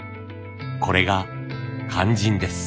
これが肝心です。